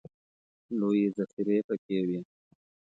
لویې ذخیرې پکې وې.